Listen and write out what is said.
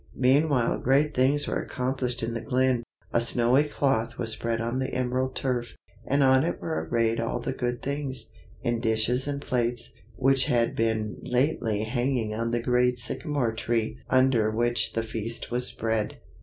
Meanwhile great things were accomplished in the glen. A snowy cloth was spread on the emerald turf, and on it were arrayed all the good things, in dishes and plates, which had been lately hanging on the great sycamore tree under which the feast was spread.